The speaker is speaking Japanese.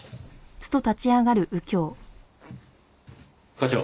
課長。